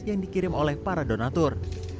yang dikirim oleh para donatur